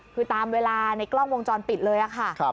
คือตามเวลาในกล้องวงจรปิดเลยค่ะ